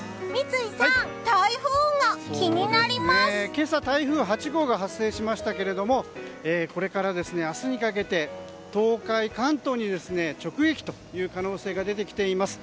今朝、台風８号が発生しましたけれどもこれから、明日にかけて東海、関東に直撃という可能性が出てきています。